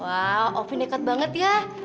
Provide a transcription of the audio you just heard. wah opi nekat banget ya